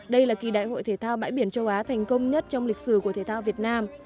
đây là kỳ đại hội thể thao bãi biển châu á thành công nhất trong lịch sử của thể thao việt nam